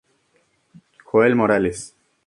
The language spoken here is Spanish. Joel Morales.